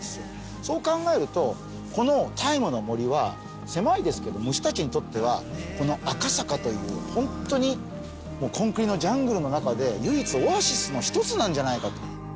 そう考えると、「ＴＩＭＥの森」は狭いですけど虫たちにとってはこの赤坂という本当にコンクリのジャングルの中で唯一オアシスの一つなんじゃないかと。